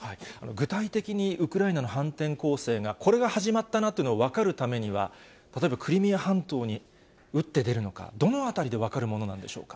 具体的にウクライナの反転攻勢が、これが始まったなというのが分かるためには、例えばクリミア半島に打って出るのか、どのあたりで分かるものなんでしょうか。